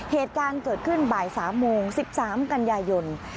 เหตุการณ์เกิดขึ้นบ่าย๓โมง๑๓กันยายน